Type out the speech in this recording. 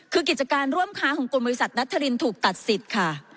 คือกิจการร่วมค้าของกลุ่มบริษัทนัทธรินถูกตัดสิทธิ์ค่ะ